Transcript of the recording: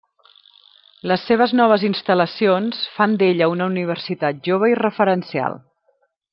Les seves noves instal·lacions fan d'ella una universitat jove i referencial.